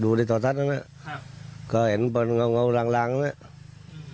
ดูในต่อทัพมันนี่นะครับเค้าเห็นผ่านวงโง่โง่หลังแล้วนะครับ